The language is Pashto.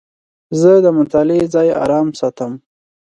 زه د مطالعې ځای آرام ساتم.